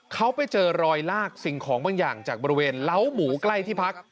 เขาไปเจอรอยลากสิ่งของบางอย่างจากบริเวณเล้าหมูใกล้ที่พัก